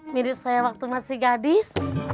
mirip saya waktu masih gadis